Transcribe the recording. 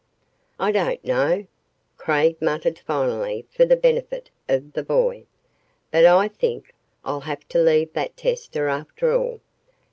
"I don't know," Craig muttered finally for the benefit of the boy, "but I think I'll have to leave that tester after all.